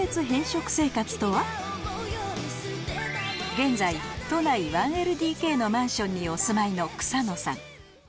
現在都内１ＬＤＫのマンションにお住まいの草野さん